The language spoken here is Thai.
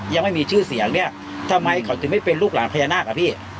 ยังไม่มีชื่อเสียงเนี่ยทำไมเขาถึงไม่เป็นลูกหลานพญานาคอ่ะพี่